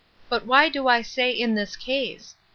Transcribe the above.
But why do I say, in this case?